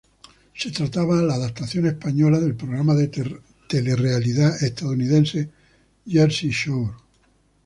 Se trataba la adaptación española del programa de telerrealidad estadounidense Jersey Shore.